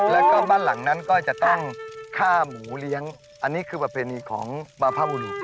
แล้วก็บ้านหลังนั้นก็จะต้องฆ่าหมูเลี้ยงอันนี้คือประเพณีของบรรพบุรุษ